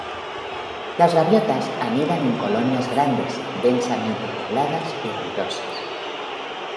Las gaviotas anidan en colonias grandes, densamente pobladas y ruidosas.